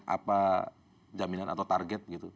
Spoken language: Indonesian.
apa jaminan atau target